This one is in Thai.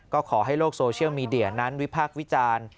ก็ขอให้โลกโซเชียลมีเดียนั้นวิพากษ์วิจารณ์